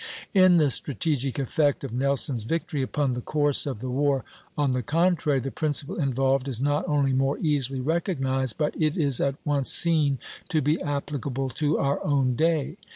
In the strategic effect of Nelson's victory upon the course of the war, on the contrary, the principle involved is not only more easily recognized, but it is at once seen to be applicable to our own day.